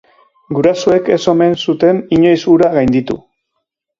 Gurasoek ez omen zuten inoiz hura gainditu.